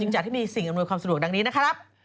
จัดให้มีสิ่งอำนวยความสะดวกดังนี้นะครับ